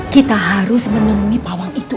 kita harus menemui pawang itu